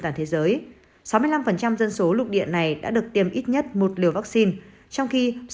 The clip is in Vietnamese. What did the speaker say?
toàn thế giới sáu mươi năm phần trăm dân số lục địa này đã được tiêm ít nhất một liều vắc xin trong khi sáu mươi một